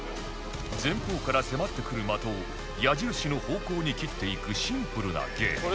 前方から迫ってくる的を矢印の方向に切っていくシンプルなゲーム